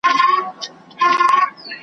رنګ به د پانوس نه وي تیاره به وي .